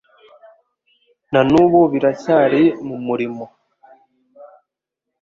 na n'ubu biracyari mu murimo.